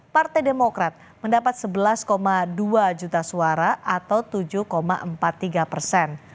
partai demokrat mendapat sebelas dua juta suara atau tujuh empat puluh tiga persen